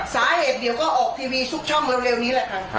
สาเหตุเดี๋ยวก็ออกทีวีทุกช่องเร็วนี้แหละค่ะ